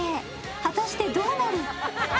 果たしてどうなる？